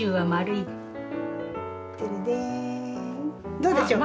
どうでしょうか？